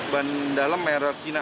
ban dalam era cina